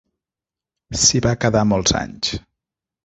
S'hi va quedar molts anys.